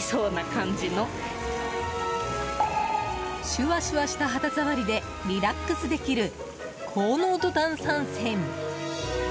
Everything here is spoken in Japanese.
シュワシュワした肌触りでリラックスできる高濃度炭酸泉。